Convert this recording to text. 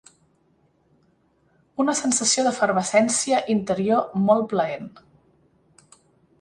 Una sensació d'efervescència interior molt plaent.